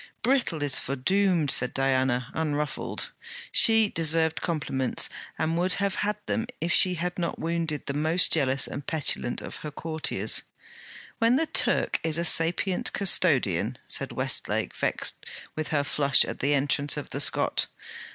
'Brittle is foredoomed,' said Diana, unruffled. She deserved compliments, and would have had them if she had not wounded the most jealous and petulant of her courtiers. 'Then the Turk is a sapient custodian!' said Westlake, vexed with her flush at the entrance of the Scot.